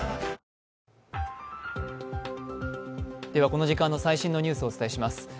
この時間の最新のニュースをお伝えします。